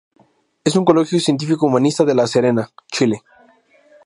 Es un Colegio Científico Humanista de La Serena, Chile.